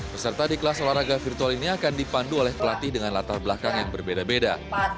peserta di kelas olahraga virtual ini akan dipandu oleh pelatih dengan latar belakang yang berbeda beda